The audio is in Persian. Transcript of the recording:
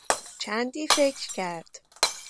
چندی فکر کرد.